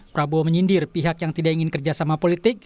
prabowo menyindir pihak yang tidak ingin kerjasama politik